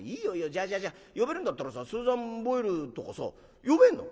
じゃあじゃあじゃあ呼べるんだったらスーザン・ボイルとかさ呼べんの？